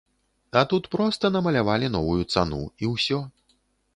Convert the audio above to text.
А тут проста намалявалі новую цану і ўсё.